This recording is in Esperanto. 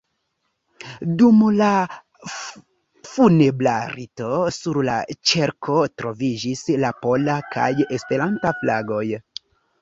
Dum la funebra rito, sur la ĉerko troviĝis la pola kaj Esperanta flagoj.